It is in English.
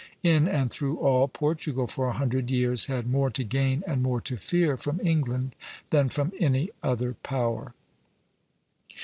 In and through all, Portugal, for a hundred years, had more to gain and more to fear from England than from any other power.